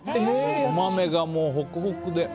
お豆がホクホクで。